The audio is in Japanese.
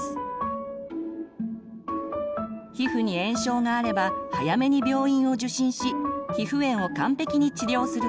皮膚に炎症があれば早めに病院を受診し皮膚炎を完璧に治療すること。